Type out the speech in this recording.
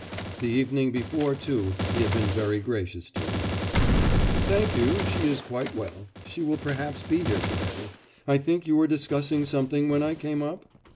The evening before, too, he had been very gracious to him. 'Thank you; she is quite well. She will perhaps be here to day.... I think you were discussing something when I came up?